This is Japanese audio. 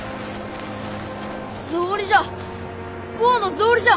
草履じゃ。